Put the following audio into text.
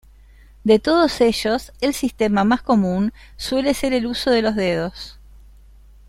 De todos ellos el sistema más común suele ser el uso de los dedos.